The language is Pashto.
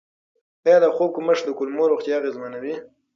آیا د خوب کمښت د کولمو روغتیا اغېزمنوي؟